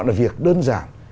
là việc đơn giản